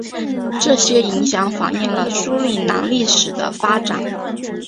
这些影响反映了苏里南历史的发展。